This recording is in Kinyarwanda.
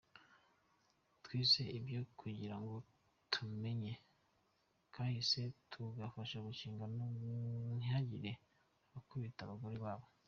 "Twiga ivyo kugira ngo tumenye kahise, tugafasha gukinga ngo ntihagire abakubita abagore babo.